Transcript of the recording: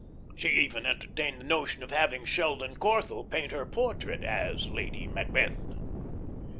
She even entertained the notion of having Sheldon Corthell paint her portrait as Lady Macbeth.